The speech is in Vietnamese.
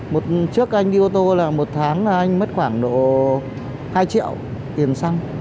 một chiếc anh đi ô tô là một tháng là anh mất khoảng độ hai triệu tiền xăng